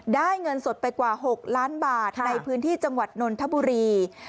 เงินสดไปกว่า๖ล้านบาทในพื้นที่จังหวัดนนทบุรี